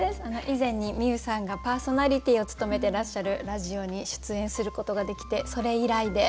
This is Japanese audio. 以前に美雨さんがパーソナリティーを務めてらっしゃるラジオに出演することができてそれ以来で。